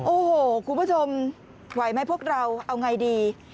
โอ้โหคุณผู้ชมไหวไหมพวกเราเอาไงดี